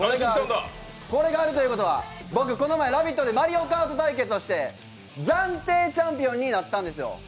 これがあるということは僕この前、「ラヴィット！」で「マリオカート」対決を焦点暫定チャンピオンになったんですよ。